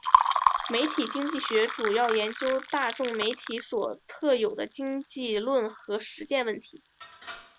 媒体经济学主要研究大众媒体所特有的经济理论和实践问题。